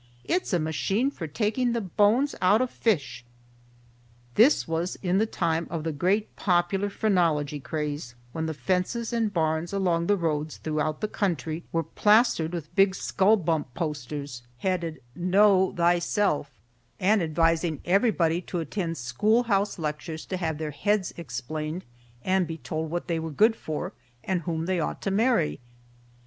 It's a machine for taking the bones out of fish." This was in the time of the great popular phrenology craze, when the fences and barns along the roads throughout the country were plastered with big skull bump posters, headed, "Know Thyself," and advising everybody to attend schoolhouse lectures to have their heads explained and be told what they were good for and whom they ought to marry.